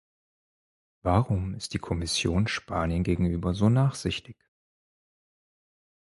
Warum ist die Kommission Spanien gegenüber so nachsichtig?